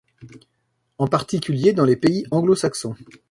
En particulier dans les pays anglo-saxons.